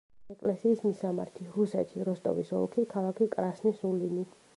ეკლესიის მისამართი: რუსეთი, როსტოვის ოლქი, ქალაქი კრასნი-სულინი.